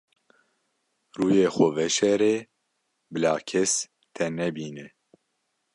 Rûyê xwe veşêre bila kes te nebîne.